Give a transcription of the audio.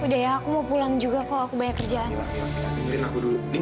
udah ya aku mau pulang juga kok aku banyak kerjaan aku dulu